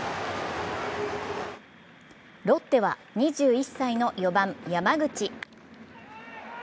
ロッテは２１歳の４番・山口。